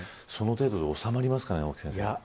その程度で収まりますかね。